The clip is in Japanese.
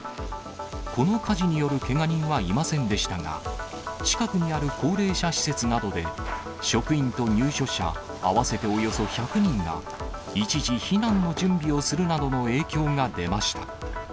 この火事によるけが人はいませんでしたが、近くにある高齢者施設などで、職員と入所者合わせておよそ１００人が一時避難の準備をするなどの影響が出ました。